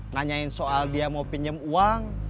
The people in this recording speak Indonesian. nganyain soal dia mau pinjem uang